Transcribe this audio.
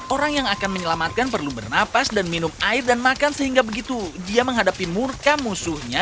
orang yang akan menyelamatkan perlu bernapas dan minum air dan makan sehingga begitu dia menghadapi murka musuhnya